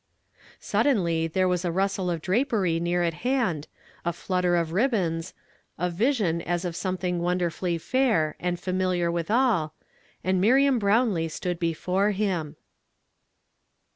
Suddenly there was a rustle of drapery near at liand, a flutter of rib bons, a vision as of something wonderfully fair, and familiar withal, and Miriam Browniee stood before him.